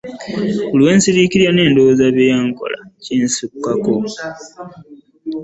Buli lwe nsiriikirira ne ndowooza bye wankola kinsukkako.